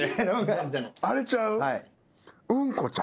あれちゃう？